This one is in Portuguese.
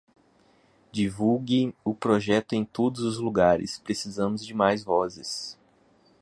Divulgue o projeto em todos os lugares, precisamos de mais vozes